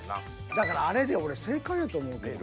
だからあれで正解やと思うけど。